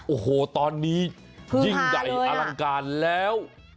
โอ้โหตอนนี้ยิ่งใหญ่อลังการแล้ว